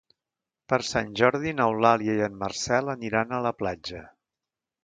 Per Sant Jordi n'Eulàlia i en Marcel aniran a la platja.